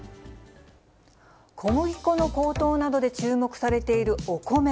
小麦粉の高騰などで注目されているお米。